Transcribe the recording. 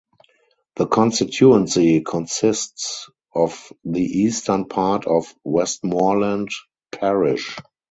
The constituency consists of the eastern part of Westmoreland Parish.